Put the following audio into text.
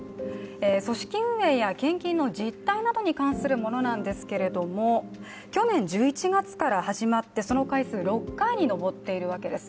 組織運営や献金の実態に関するものなんですけども、去年１１月から始まってその回数、６回に上っているわけです。